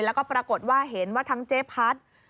แล้วก็ปรากฏว่าเห็นว่าทั้งเจ๊พัด